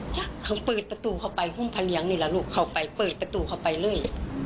เขาเปิดประตูเข้าไปหุ้มพะเลี้ยงนี่แหละลูกเข้าไปเปิดประตูเข้าไปเรื่อย